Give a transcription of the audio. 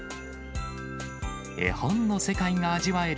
絵本の世界が味わえる